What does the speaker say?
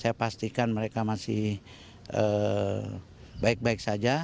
saya pastikan mereka masih baik baik saja